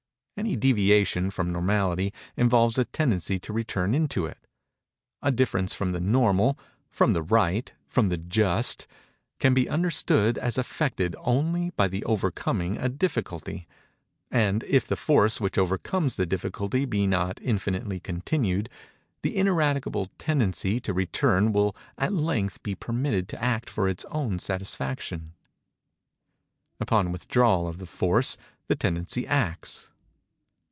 Any deviation from normality involves a tendency to return into it. A difference from the normal—from the right—from the just—can be understood as effected only by the overcoming a difficulty; and if the force which overcomes the difficulty be not infinitely continued, the ineradicable tendency to return will at length be permitted to act for its own satisfaction. Upon withdrawal of the force, the tendency acts.